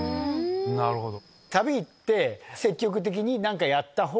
なるほど。